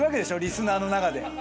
リスナーの中で。